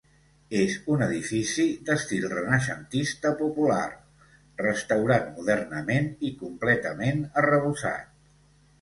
És un edifici d'estil renaixentista popular, restaurat modernament i completament arrebossat.